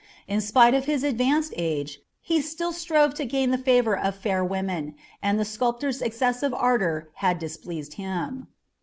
In spite of his advanced age, he still strove to gain the favour of fair women, and the sculptor's excessive ardour had displeased him.